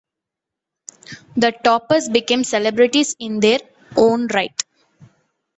The Toppers became celebrities in their own right.